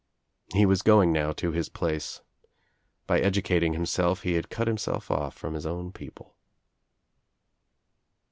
He was going now to his place. By educating himself he had cut himself off from his own people.